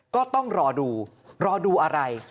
ก็ต้องรอดูรอดูอะไร